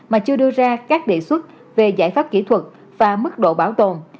mà chưa đưa ra các đề xuất về giải pháp kỹ thuật và mức độ bảo tồn